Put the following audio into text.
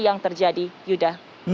yang terjadi yuda